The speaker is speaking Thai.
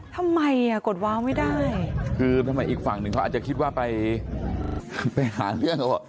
ทำไมอ่ะกดว้าวไม่ได้คืออีกฝั่งอีกฝั่งนึงอาจจะคิดว่าไปหาเรื่อง